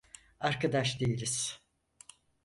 Arkadaş değiliz.